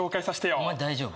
お前大丈夫